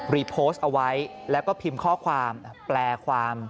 รีโพสต์เอาไว้แล้วก็พิมพ์ข้อความแปลความ